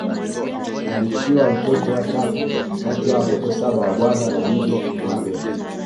Alikiwa mtoto wa tatu kati ya watoto saba wa Bwana na Bibi Mohamed